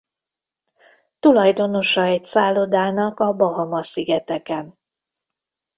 Tulajdonosa egy szállodának a Bahama-szigeteken.